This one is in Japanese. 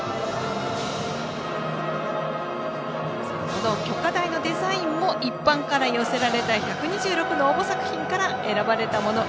この炬火台のデザインも一般から寄せられた１２６の応募作品から選ばれたもの。